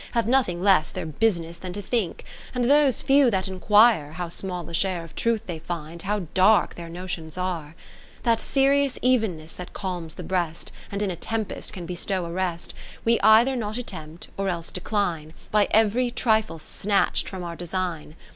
Have nothing less their bus'ness than to think. And those few tliat inquire, how small a share Of Truth they find, how dark their notions are ! The IV or Id That serious evenness that calms the breast, And in a tempest can bestow a rest, 60 We either not attempt, or else dechne, By ev'ry trifle snatch'd from our design.